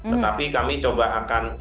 tetapi kami coba akan